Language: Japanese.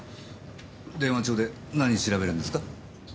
電話帳で何調べるんですか？